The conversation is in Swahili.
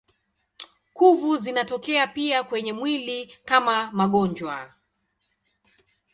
Kuvu zinatokea pia kwenye mwili kama magonjwa.